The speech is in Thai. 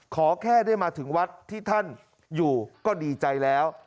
ขอแค่ได้มาถึงวัดที่ท่านอยู่ก็ดีใจแล้ว